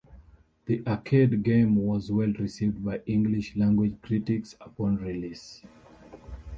The arcade game was well received by English-language critics upon release.